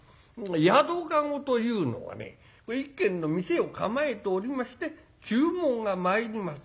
宿駕籠というのはね一軒の店を構えておりまして注文が参ります。